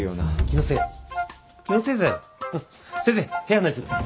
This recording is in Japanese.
先生部屋案内する。